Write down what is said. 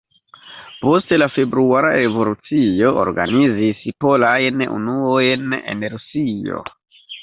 Post la februara revolucio organizis polajn unuojn en Rusio.